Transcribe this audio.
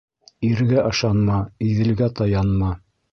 Иргә ышанма, Иҙелгә таянма.